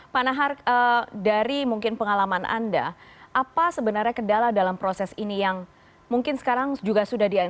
pak nahar dari mungkin pengalaman anda apa sebenarnya kendala dalam proses ini yang mungkin sekarang juga sudah diambil